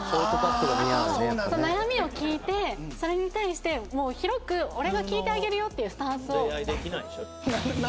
あと悩みを聞いてそれに対してもう広く俺が聞いてあげるよっていうスタンスを何？